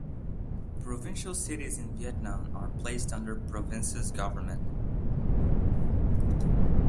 Provincial cities in Vietnam are placed under the province's government.